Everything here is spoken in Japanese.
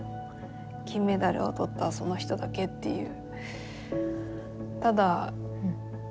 金メダルを取ったその人だけっていう。